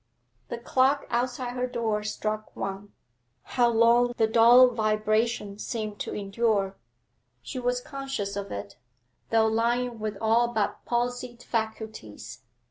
The clock outside her door struck one; how long the dull vibration seemed to endure. She was conscious of it, though lying with all but palsied faculties.